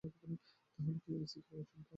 তাহলে কি এসিপি অর্জুন তার ভাই?